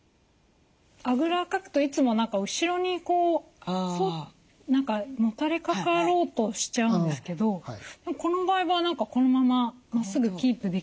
あぐらをかくといつも何か後ろにこう何かもたれかかろうとしちゃうんですけどこの場合は何かこのまままっすぐキープできてる感じがします。